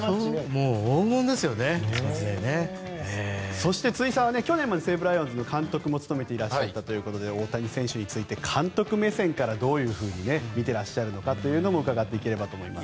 そして、辻さんは去年まで西武ライオンズの監督も務めていらっしゃったということで大谷選手について監督目線からどういうふうに見ていらっしゃるのかも伺っていければと思います。